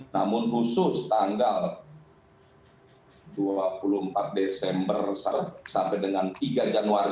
namun khusus tanggal dua puluh empat desember sampai dengan tiga januari dua ribu satu